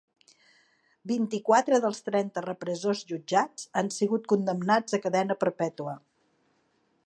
Vint-i-quatre dels trenta repressors jutjats han sigut condemnats a cadena perpètua